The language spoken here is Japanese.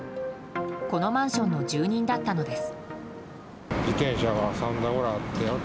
このマンションの住人だったのです。